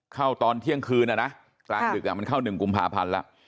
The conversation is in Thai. ตอนเที่ยงคืนนะกลางดึกมันเข้า๑กุมภาพันธ์แล้ว